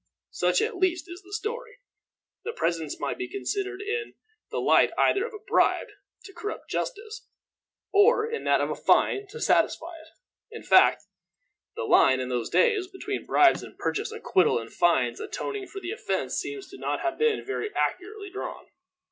Such at least is the story. The presents might be considered in the light either of a bribe to corrupt justice, or in that of a fine to satisfy it. In fact, the line, in those days, between bribes to purchase acquittal and fines atoning for the offense seems not to have been very accurately drawn.